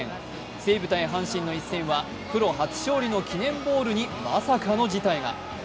西武×阪神の一戦はプロ初勝利の記念ボールにまさかの事態が。